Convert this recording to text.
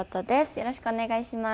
よろしくお願いします。